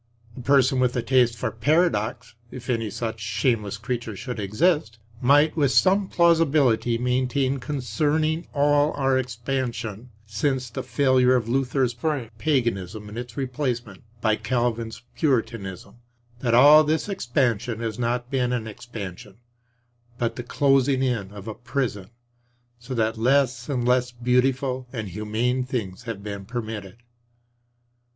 A person with a taste for paradox (if any such shameless creature could exist) might with some plausibility maintain concerning all our expansion since the failure of Luther's frank paganism and its replacement by Calvin's Puritanism, that all this expansion has not been an expansion, but the closing in of a prison, so that less and less beautiful and humane things have been permitted.